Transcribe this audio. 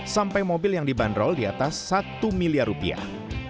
sampai mobil yang dibanderol di atas satu miliar rupiah